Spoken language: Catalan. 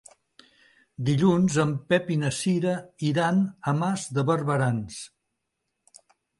Dilluns en Pep i na Cira iran a Mas de Barberans.